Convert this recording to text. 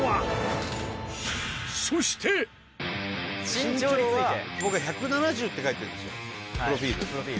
身長は僕は「１７０」って書いてるんですよプロフィール。